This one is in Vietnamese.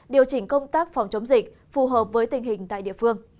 điều chỉnh công tác phòng chống dịch phù hợp với tình hình tại địa phương